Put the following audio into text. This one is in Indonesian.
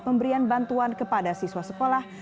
pemberian bantuan kepada siswa sekolah